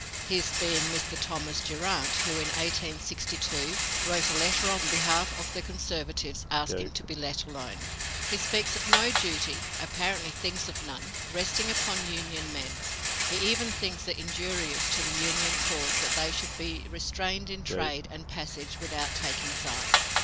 (His Mr. Thomas Durant, who, in 1862, wrote a letter on behalf of the conservatives, asking to be let alone.) "He speaks of no duty apparently thinks of none resting upon Union men. He even thinks it injurious to the Union cause that they should be restrained in trade and passage without taking sides.